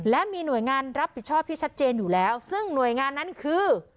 และมีหน่วยงานรับผิดชอบที่ชัดเจนอยู่แล้วซึ่งหน่วยงานนั้นคือ